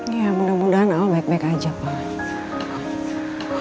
ya mudah mudahan allah baik baik aja pak